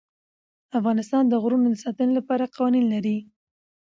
افغانستان د غرونه د ساتنې لپاره قوانین لري.